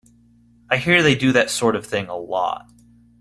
I hear they do that sort of thing a lot.